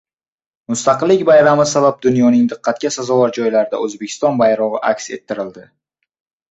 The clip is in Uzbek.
Mustaqillik bayrami sabab dunyoning diqqatga sazovor joylarida O‘zbekiston bayrog‘i aks ettiriladi